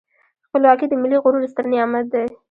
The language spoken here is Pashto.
خپلواکي د ملي غرور ستر نعمت دی.